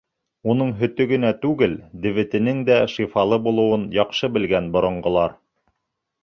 Уның һөтө генә түгел, дебетенең дә шифалы булыуын яҡшы белгән боронғолар.